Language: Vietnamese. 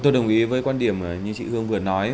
tôi đồng ý với quan điểm như chị hương vừa nói